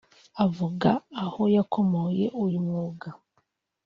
Avuga aho yakomoye uyu mwuga